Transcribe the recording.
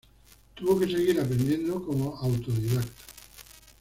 Tuvo que seguir aprendiendo como autodidacta.